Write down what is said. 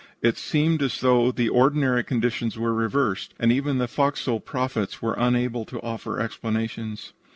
It seemed as though the ordinary conditions were reversed, and even the fo'cas'le prophets were unable to offer explanations.